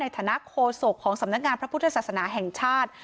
ฐานโคศกของสำนักงานพระพุทธศาสนาแห่งชาติ